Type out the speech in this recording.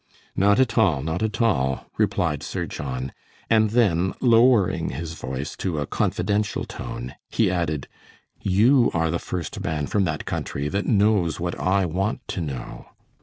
"Not at all, not at all," replied Sir John; and then, lowering his voice to a confidential tone, he added, "You are the first man from that country that knows what I want to know."